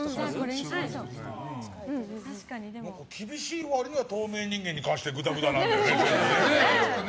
厳しい割には透明人間に関してはぐだぐだなんだよね。